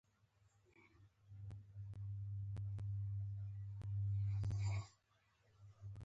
دا ادبي داستانونه دي چې زما په درد ونه خوړل